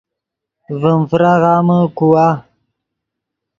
ڤیم فراغامے کوا